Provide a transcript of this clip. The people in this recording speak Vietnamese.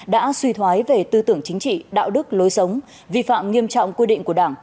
đã suy thoái về tư tưởng chính trị đạo đức lối sống vi phạm nghiêm trọng quy định của đảng